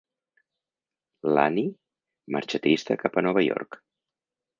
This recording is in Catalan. Lanie marxa trista cap a Nova York.